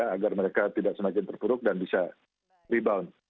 agar mereka tidak semakin terpuruk dan bisa rebound